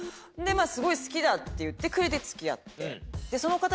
すごい好きだって言ってくれて付き合って。